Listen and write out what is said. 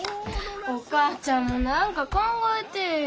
お母ちゃんも何か考えてえや。